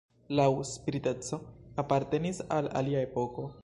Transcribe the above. Laŭ spiriteco apartenis al alia epoko.